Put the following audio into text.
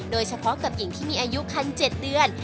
โดยเฉพาะกับหญิงที่มีอายุคัน๗เดือน